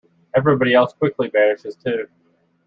Everybody else quickly vanishes too.